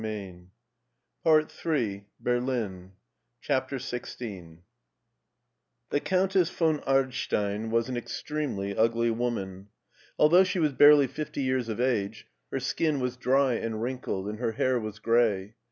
€€ BERLIN BERLIN BERLIN CHAPTER XVI THE Countess von Ardstein was an extremdy ugly woman. Although she was barely fifty years of age her skin was dry and wrinkled and her hair was gray.